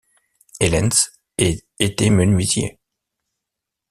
Helens et était menuisier.